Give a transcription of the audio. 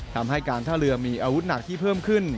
การท่าเรือมีอาวุธหนักที่เพิ่มขึ้น